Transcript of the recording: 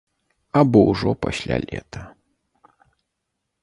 Або ўжо пасля лета.